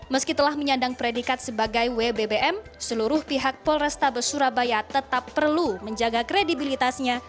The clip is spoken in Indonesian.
meski telah menyandang predikat sebagai wbbm seluruh pihak polrestabes surabaya tetap perlu menjaga kredibilitasnya